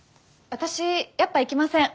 私やっぱり行きません。